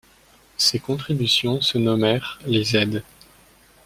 Ces contributions se nommèrent les aides.